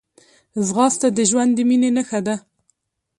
ځغاسته د ژوند د مینې نښه ده